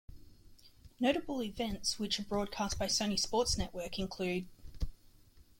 Notable events which are broadcast by Sony Sports Network include.